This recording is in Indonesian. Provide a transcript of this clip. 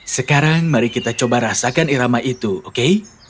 sekarang mari kita coba rasakan irama itu oke